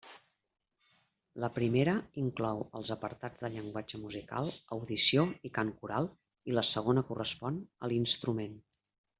La primera inclou els apartats de llenguatge musical, audició i cant coral, i la segona correspon a l'instrument.